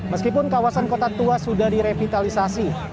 meskipun kawasan kota tua sudah direvitalisasi